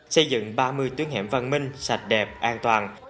xây dựng ba mươi tuyến hẻm văn minh sạch đẹp an toàn